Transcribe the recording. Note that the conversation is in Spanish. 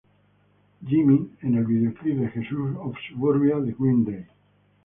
Jimmy en el videoclip de "Jesus of Suburbia" de Green Day.